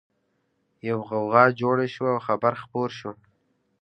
يوه غوغا جوړه شوه او خبر خپور شو